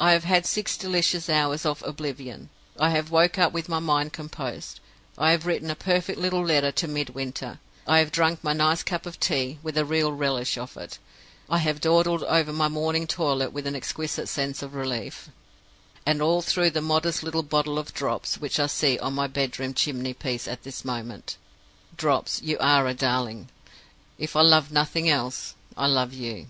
I have had six delicious hours of oblivion; I have woke up with my mind composed; I have written a perfect little letter to Midwinter; I have drunk my nice cup of tea, with a real relish of it; I have dawdled over my morning toilet with an exquisite sense of relief and all through the modest little bottle of Drops, which I see on my bedroom chimney piece at this moment. 'Drops,' you are a darling! If I love nothing else, I love you.